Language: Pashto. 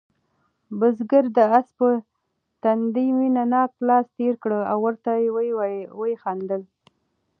بزګر د آس په تندي مینه ناک لاس تېر کړ او ورته ویې خندل.